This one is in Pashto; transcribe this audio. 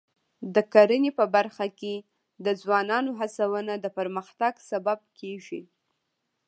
د کرنې په برخه کې د ځوانانو هڅونه د پرمختګ سبب کېږي.